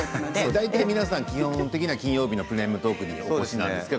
大体皆さん基本的には金曜日の「プレミアムトーク」にお越しなんですね。